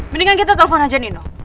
mendingan kita telepon aja nino